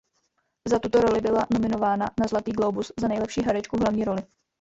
Za tuto roli byla nominována na Zlatý glóbus za nejlepší herečku v hlavní roli.